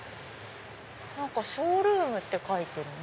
ショールームって書いてるね。